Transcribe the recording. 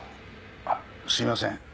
あっすみません。